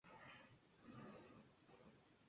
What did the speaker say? Guri y su esposa lo ejecutan.